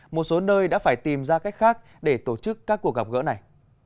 một số nơi đã phải tìm ra cách khác để tổ chức các cuộc gặp gỡ này